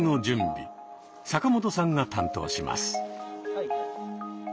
坂本さんが担当します。